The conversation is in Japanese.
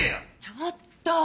ちょっと。